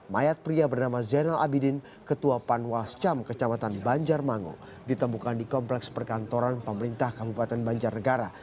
mayat pria bernama zainal abidin ketua panwascam kecamatan banjarmangu ditemukan di kompleks perkantoran pemerintah kabupaten banjarnegara